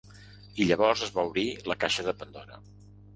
I llavors es va obrir la caixa de pandora.